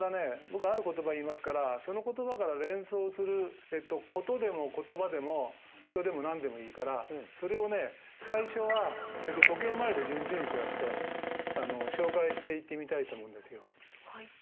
僕ある言葉言いますからその言葉から連想する事でも言葉でも人でも何でもいいからそれをね最初は時計回りで順々にこうやって紹介していってみたいと思うんですよ。